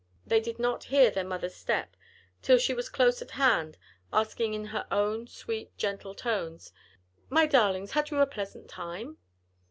They did not hear their mother's step till she was close at hand asking in her own sweet, gentle tones, "My darlings, had you a pleasant time?"